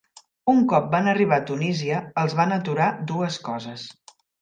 Un cop van arribar a Tunísia, els van aturar dues coses.